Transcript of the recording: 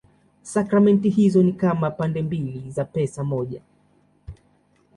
Sakramenti hizo ni kama pande mbili za pesa moja.